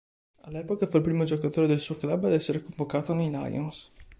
All'epoca fu il primo giocatore del suo club a essere convocato nei Lions.